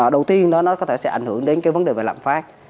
đầu tiên nó có thể sẽ ảnh hưởng đến cái vấn đề về lạm phát